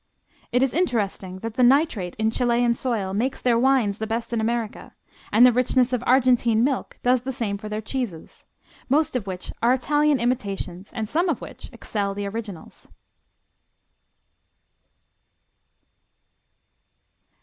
It is interesting that the nitrate in Chilean soil makes their wines the best in America, and the richness of Argentine milk does the same for their cheeses, most of which are Italian imitations and some of which excel the originals.